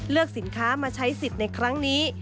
สินค้ามาใช้สิทธิ์ในครั้งนี้